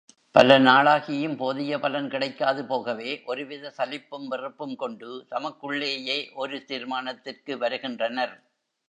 பல நாளாகியும், போதிய பலன் கிடைக்காது போகவே, ஒருவித சலிப்பும் வெறுப்பும் கொண்டு, தமக்குள்ளேயே ஒரு தீர்மானத்திற்கு வருகின்றனர்.